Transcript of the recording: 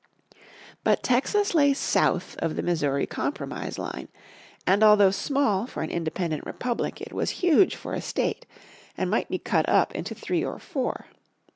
But Texas lay south of the Missouri Compromise line, and although small for an independent republic it was huge for a state, and might be cut up into three or four.